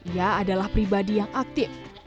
ia adalah pribadi yang aktif